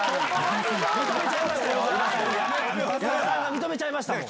認めちゃいましたよ